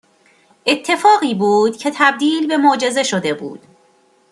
اتفاقی بود که تبدیل به معجزه شده بود